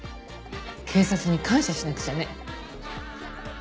警察に感謝しなくちゃね。